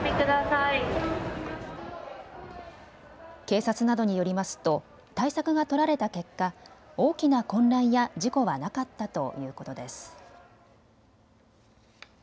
警察などによりますと対策が取られた結果、大きな混乱や事故はなかったということです。